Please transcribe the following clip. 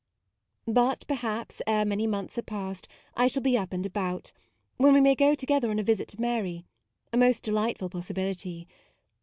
But perhaps ere many months are passed I shall be up and about, when we may go together on a visit to Mary; a most delightful possibility.